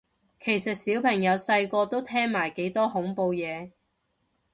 其實小朋友細個都聽埋幾多恐怖嘢